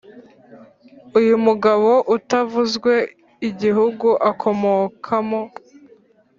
Uyu mugabo utavuzwe igihugu akomokamo,